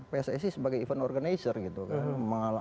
pssi sebagai event organizer gitu kan